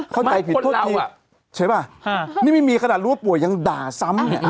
เข้าใจผิดทดทินใช่ไหมนี่ไม่มีขนาดรู้ว่าปวดยังด่าซ้ำ